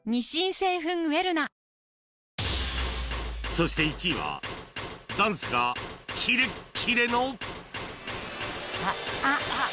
そして１位はダンスがキレッキレの